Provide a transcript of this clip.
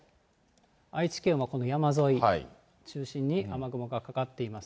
愛知県は山沿い中心に雨雲がかかっています。